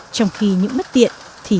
trong khi những mất tiện thì đã xuất hiện